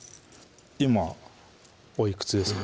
今おいくつですか？